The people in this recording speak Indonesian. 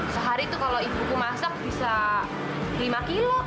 sehari itu kalau ibuku masak bisa lima kilo